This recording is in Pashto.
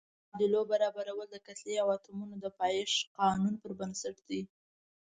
د معادلو برابرول د کتلې او اتومونو د پایښت قانون پر بنسټ دي.